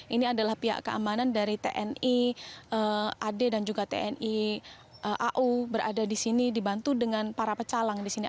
ini adalah pihak keamanan dari tni ad dan juga tni au berada di sini dibantu dengan para pecalang di sini